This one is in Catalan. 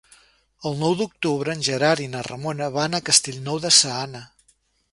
El nou d'octubre en Gerard i na Ramona van a Castellnou de Seana.